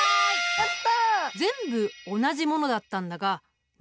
やった！